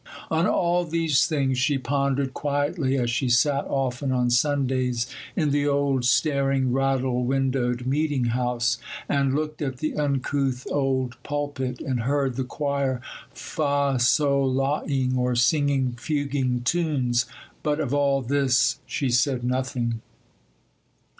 On all these things she pondered quietly, as she sat often on Sundays in the old staring, rattle windowed meeting house, and looked at the uncouth old pulpit, and heard the choir fa sol la ing or singing fuguing tunes; but of all this she said nothing.